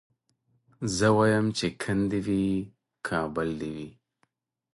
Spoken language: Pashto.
زه وايم چي کند دي وي کابل دي وي